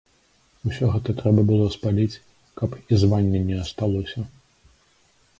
Усё гэта трэба было спаліць, каб і звання не асталося.